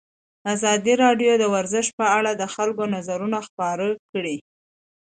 ازادي راډیو د ورزش په اړه د خلکو نظرونه خپاره کړي.